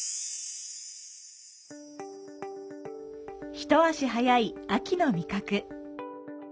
一足早い秋の味覚。